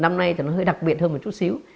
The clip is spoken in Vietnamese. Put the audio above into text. năm nay thì nó hơi đặc biệt hơn một chút xíu